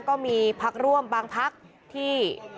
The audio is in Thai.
ก็มีภักดิ์ร่วมบางภักดิ์ที่